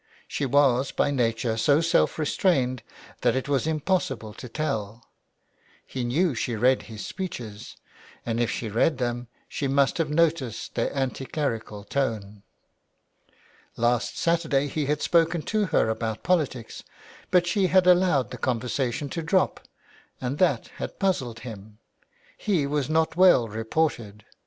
She was by nature so self restrained that it was impossible to tell. He knew she read his speeches, and if she read them she must have noticed their anti clerical tone. Last Saturday he had spoken to her about 347 THE WILD GOOSE. politics, but she had allowed the conversation to drop, and that had puzzled him. He was not well reported.